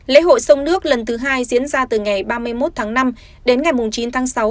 lễ hội sông nước lần thứ hai diễn ra từ ngày ba mươi một tháng năm đến ngày chín tháng sáu